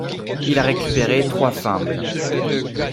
Il a récupéré trois fumbles.